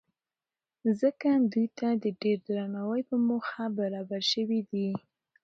ځکه دوی ته د ډېر درناوۍ په موخه برابر شوي دي.